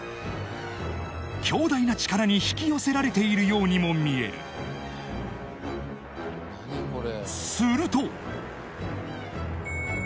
強大な力に引き寄せられているようにも見えるすると！